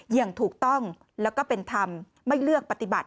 อย่างถูกต้องแล้วก็เป็นธรรมไม่เลือกปฏิบัติ